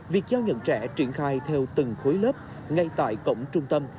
việc giao nhận trẻ triển khai theo từng khối lớp ngay tại cổng trung tâm